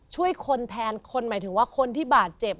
ช่วยคนแทนคนหมายถึงว่าคนที่บาดเจ็บ